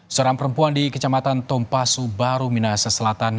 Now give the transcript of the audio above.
seorang perempuan di kecamatan tompasu baru minahasa selatan